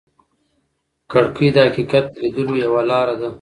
کړکۍ د حقیقت لیدلو یوه لاره ده.